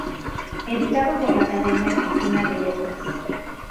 Editado por la Academia Argentina de Letras.